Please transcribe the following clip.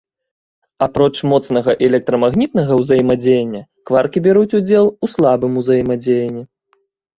Апроч моцнага і электрамагнітнага ўзаемадзеяння, кваркі бяруць удзел у слабым узаемадзеянні.